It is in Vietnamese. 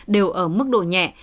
đều ở mức độ nhẹ